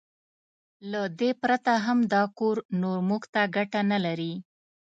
له دې پرته هم دا کور نور موږ ته ګټه نه لري.